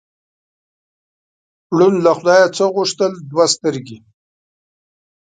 ړوند له خدایه څه غوښتل؟ دوه سترګې.